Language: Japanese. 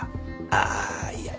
ああいや